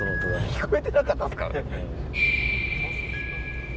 聞こえてなかったんすか。